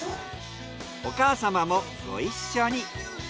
お母様もご一緒に。